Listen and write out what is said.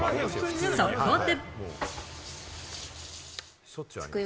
そこで。